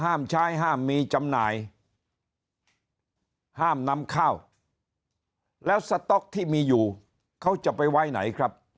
ห้ามใช้ห้ามมีจำหน่ายห้ามนำข้าวแล้วสต๊อกที่มีอยู่เขาจะไปไว้ไหนครับ